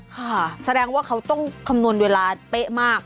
ค่ะแสดงว่าเขาต้องคำนวณเวลาเป๊ะมาก